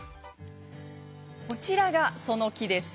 こちらが、その木です。